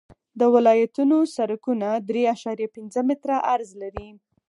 د ولایتونو سرکونه درې اعشاریه پنځه متره عرض لري